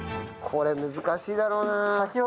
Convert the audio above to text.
これ難しいだろうなあ。